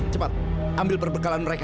cepat ambil perbekalan mereka